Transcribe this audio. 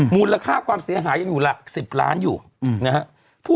มูลค่าความเสียหายยังอยู่หลัก๑๐ล้านอยู่นะฮะ